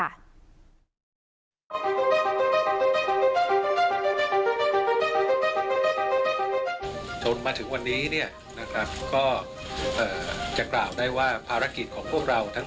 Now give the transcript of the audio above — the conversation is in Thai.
จนถึงวันนี้เนี่ยนะครับก็จะกล่าวได้ว่าภารกิจของพวกเราทั้ง